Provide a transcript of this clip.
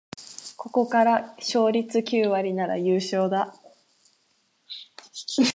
ここから勝率九割なら優勝だ